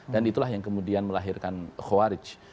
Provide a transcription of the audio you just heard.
dan itulah yang kemudian melahirkan khawarij